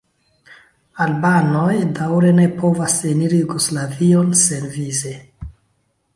Albanoj daŭre ne povas eniri Jugoslavion senvize.